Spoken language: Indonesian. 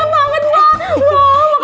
gak penting banget mbak